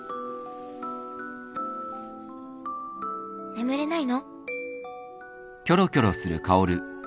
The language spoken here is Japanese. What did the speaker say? ・眠れないの？